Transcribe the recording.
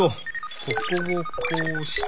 ここをこうして。